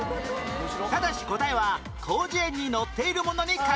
ただし答えは『広辞苑』に載っているものに限ります